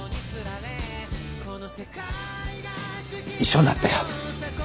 一緒になったよ。